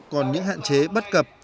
còn những hạn chế bất cập